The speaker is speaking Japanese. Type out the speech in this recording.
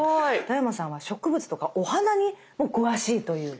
田山さんは植物とかお花にも詳しいという。